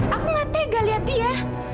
aku gak tega lihat dia